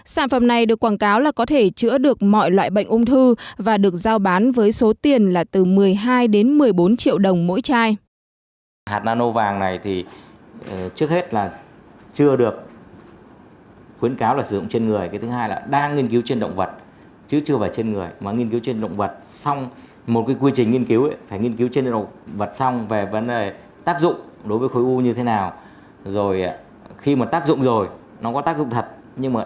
sản phẩm này được quảng cáo là có thể chữa được mọi loại bệnh ung thư và được giao bán với số tiền là từ một mươi hai đến một mươi bốn triệu đồng mỗi chai